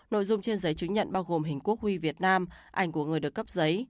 nội dung trên giấy chứng nhận bao gồm hình quốc huy việt nam ảnh của người được cấp giấy